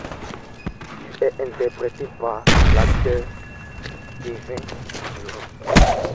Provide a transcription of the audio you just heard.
Il est interprété par l'acteur Kevin Durand.